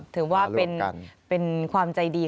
ถือว่าเป็นความใจดี